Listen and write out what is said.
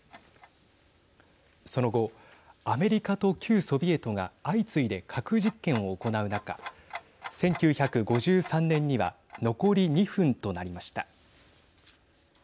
その後アメリカと旧ソビエトが相次いで核実験を行う中、１９５３年には残り２分となりました。